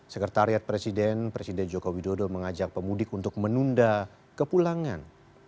sekretariat presiden presiden jokowi dodo mengajak pemudik untuk menunda kepulangan